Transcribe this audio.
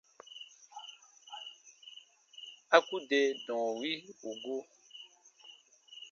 A ku de dɔ̃ɔ wi ù gu.